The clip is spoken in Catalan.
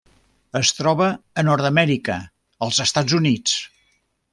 Es troba a Nord-amèrica: els Estats Units: